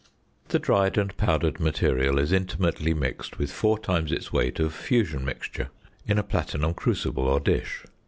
The dried and powdered material is intimately mixed with four times its weight of "fusion mixture" in a platinum crucible or dish.